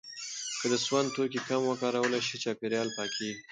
که د سون توکي کم وکارول شي، چاپیریال پاکېږي.